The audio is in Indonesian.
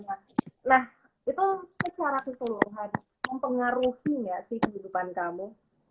nah itu secara keseluruhan mempengaruhi nggak sih kehidupan kamu